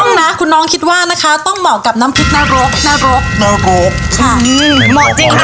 น้องนะท่านคิดว่านะคะต้องเหมาะกับน้ำพริกนานรก